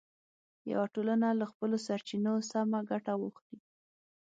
یوه ټولنه له خپلو سرچینو سمه ګټه واخلي.